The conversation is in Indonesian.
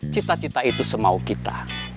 cita cita itu semau kita